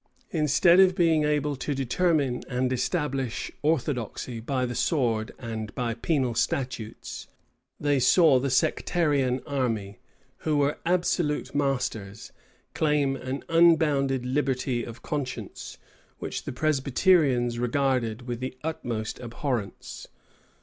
Instead of being able to determine and establish orthodoxy by the sword and by penal statutes, they saw the sectarian army, who were absolute masters, claim an unbounded liberty of conscience, which the Presbyterians regarded with the utmost abhorrence.